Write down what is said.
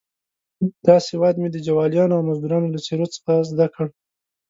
دا سواد مې د جوالیانو او مزدروانو له څېرو څخه زده کړ.